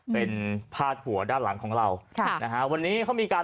เป็นพาดหัวด้านหลังของเราค่ะนะฮะวันนี้เขามีการ